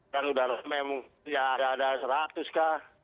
kan udah ramai ya ada seratus kah